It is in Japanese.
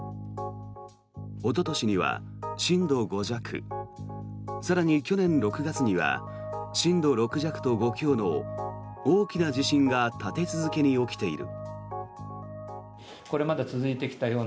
おととしには震度５弱更に去年６月には震度６弱と５強の大きな地震が立て続けに起きている。